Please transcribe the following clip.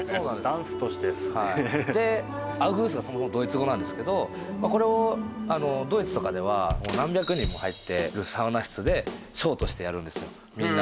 ダンスとしてですねでアウフグースがそもそもドイツ語なんですけどこれをドイツとかでは何百人も入ってるサウナ室でショーとしてやるんですよへえ